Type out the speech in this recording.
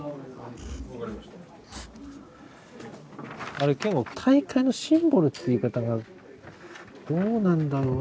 あれ健悟「大会のシンボル」って言い方がどうなんだろうなぁという。